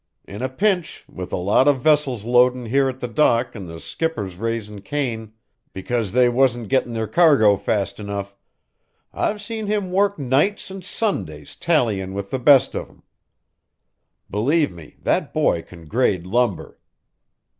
In a pinch, with a lot o' vessels loadin' here at the dock an' the skippers raisin' Cain because they wasn't gettin' their cargo fast enough, I've seen him work nights an' Sundays tallyin' with the best o' them. Believe me that boy can grade lumber."